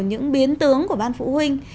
những biến tướng của ban phụ huynh